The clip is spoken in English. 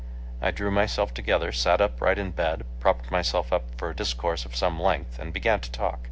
I drew myself together, sat upright in bed, propped myself up for a discourse of some length, and began to talk.